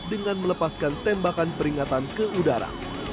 dengan melepaskan tembakan peringatan ke udara